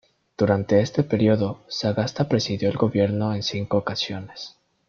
Durante este periodo, Sagasta presidió el gobierno en cinco ocasiones.